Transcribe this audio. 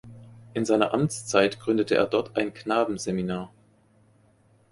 In seiner Amtszeit gründete er dort ein Knabenseminar.